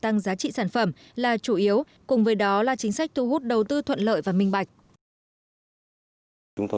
tăng giá trị sản phẩm là chủ yếu cùng với đó là chính sách thu hút đầu tư thuận lợi và minh bạch